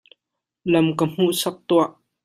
Lam ka hmuhsak tuah.